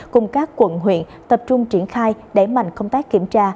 cùng các quận huyện tập trung triển khai đẩy mạnh công tác kiểm tra